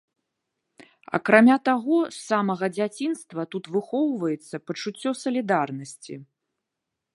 Акрамя таго, з самага дзяцінства тут выхоўваецца пачуццё салідарнасці.